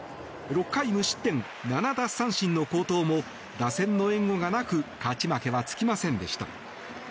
６回無失点７奪三振の好投も打線の援護がなく勝ち負けはつきませんでした。